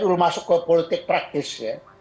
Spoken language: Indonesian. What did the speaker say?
lalu masuk ke politik praktis ya